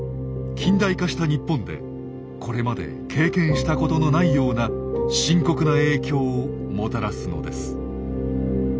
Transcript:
近代化した日本でこれまで経験したことのないような深刻な影響をもたらすのです。